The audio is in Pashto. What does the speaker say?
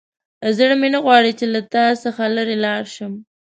زړه مې نه غواړي چې له تا څخه لیرې لاړ شم.